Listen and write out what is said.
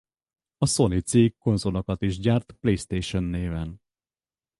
A Sony cég konzolokat is gyárt PlayStation néven.